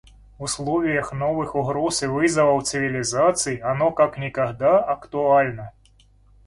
В условиях новых угроз и вызовов цивилизации оно как никогда актуально.